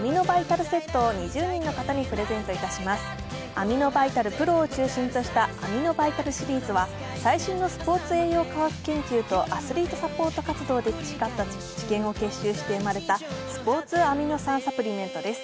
アミノバイタルプロを中心としたアミノバイタルシリーズは最新のスポーツ栄養科学研究とアスリートサポート活動で培った知見を結集して生まれたスポーツアミノ酸サプリメントです。